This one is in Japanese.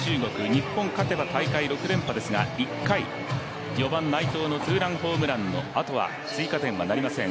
日本勝てば大会６連覇ですが、１回、４番・内藤のツーランホームランのあとは日本、得点はありません。